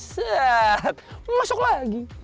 se at masuk lagi